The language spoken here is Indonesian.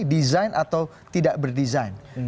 design atau tidak berdesign